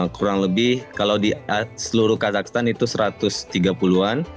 kurang lebih kalau di seluruh kazakhstan itu satu ratus tiga puluh an